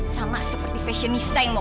sama seperti fashionista yang mau